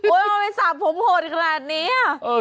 ทำไมสับผมโหดขนาดนี้